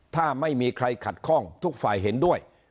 ถ้าไม่มีใครขัดข้องทุกฝ่ายเห็นด้วย